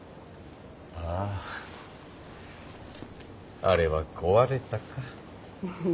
あああれは壊れたか。